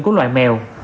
của loài mèo